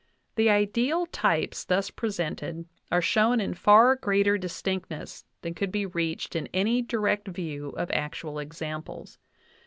The ideal types thus presented are shown in far greater dis tinctness than could be reached in any direct view of actual examples.